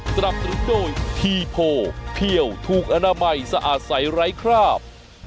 สำหรับทุกคนที่โผล่เพี่ยวถูกอนามัยสะอาดใสไร้คราบ